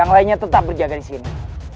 yang lainnya tetap berjaga di sini